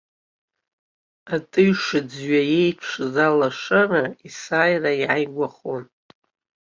Атыҩша-ӡҩа еиԥшыз алашара есааира иааигәахон.